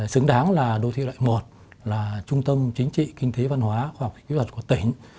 xứng đáng là đô thị loại một là trung tâm chính trị kinh tế văn hóa khoa học kỹ thuật của tỉnh